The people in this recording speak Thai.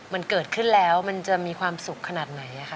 มันเกิดขึ้นแล้วมันจะมีความสุขขนาดไหน